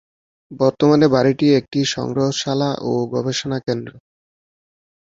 বর্তমানে বাড়িটি একটি সংগ্রহশালা ও গবেষণা কেন্দ্র।